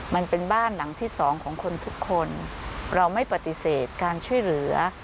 มันเป็นบ้านหลังที่สองของคนทุกคนเราไม่ปฏิเสธการช่วยเหลือ